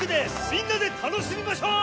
みんなで楽しみましょう！